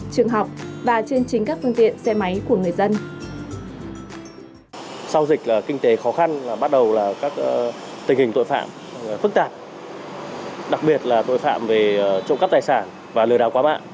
trường học và trên chính các phương tiện xe máy của người dân